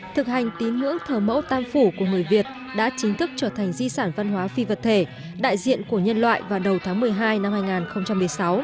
thực hành tín ngưỡng thờ mẫu tam phủ của người việt đã chính thức trở thành di sản văn hóa phi vật thể đại diện của nhân loại vào đầu tháng một mươi hai năm hai nghìn một mươi sáu